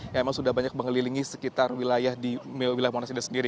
yang memang sudah banyak mengelilingi sekitar wilayah di wilayah monas ini sendiri